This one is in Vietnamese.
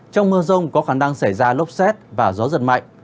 trong mưa rông có khả năng xảy ra lốc xét và gió giật mạnh